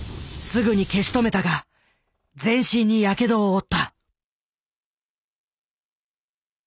すぐに消し止めたが全身にやけどを負った。